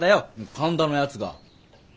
神田のやつが。